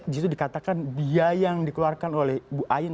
di situ dikatakan biaya yang dikeluarkan oleh bu ain